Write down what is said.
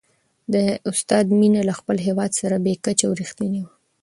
د استاد مینه له خپل هېواد سره بې کچې او رښتینې وه.